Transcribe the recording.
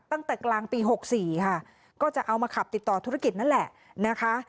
ตั้งแต่กลางปี๖๔ค่ะก็จะเอามาขับติดต่อธุรกิจนั่นแหละนะคะ